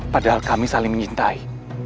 padahal kami saling menyintai